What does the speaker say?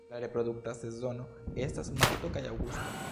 La reprodukta sezono estas marto kaj aŭgusto.